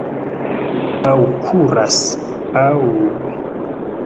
Aŭ kuras, aŭ...